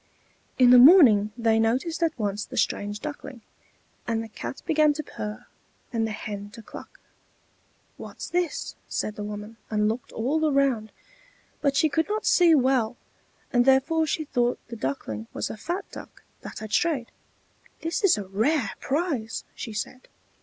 In the morning they noticed at once the strange Duckling, and the Cat began to purr and the Hen to cluck. "What's this?" said the woman, and looked all around; but she could not see well, and therefore she thought the Duckling was a fat duck that had strayed. "This is a rare prize!" she said.